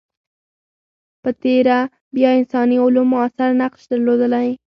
په تېره بیا انساني علوم موثر نقش درلودلی.